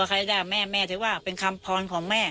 ใครได้แม่แม่ถือว่าเป็นคำพรของแม่